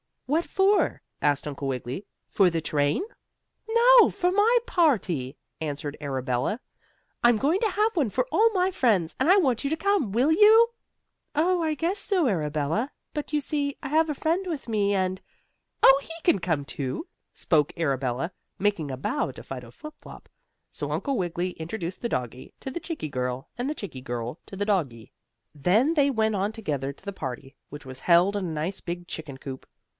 "What for?" asked Uncle Wiggily; "for the train?" "No, for my party," answered Arabella. "I'm going to have one for all my friends, and I want you to come. Will you?" "Oh, I guess so, Arabella. But you see, I have a friend with me, and " "Oh, he can come too," spoke Arabella, making a bow to Fido Flip Flop. So Uncle Wiggily introduced the doggie to the chickie girl, and the chickie girl to the doggie. Then they went on together to the party, which was held in a nice big chicken coop.